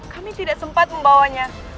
kami tidak sempat membawanya